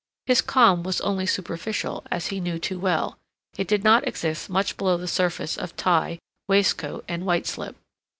His calm was only superficial, as he knew too well; it did not exist much below the surface of tie, waistcoat, and white slip.